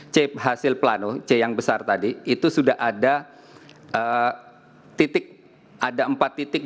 jadi c hasil planu c yang besar tadi itu sudah ada titik ada empat titik diberikan